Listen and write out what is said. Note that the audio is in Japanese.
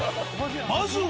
まずは。